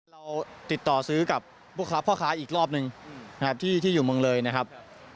เราติดต่อซื้อกับพ่อค้าอีกรอบหนึ่งนะครับที่อยู่เมืองเลยนะครับ